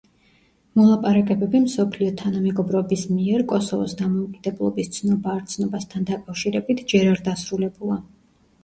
მოლაპარაკებები მსოფლიო თანამეგობრობის მიერ კოსოვოს დამოუკიდებლობის ცნობა–არცნობასთან დაკავშირებით ჯერ არ დასრულებულა.